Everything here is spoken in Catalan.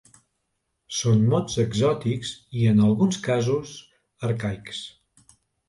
Són mots exòtics i, en alguns casos, arcaics.